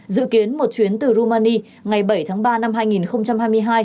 dự kiến một chuyến từ rumani ngày bảy tháng ba năm hai nghìn hai mươi hai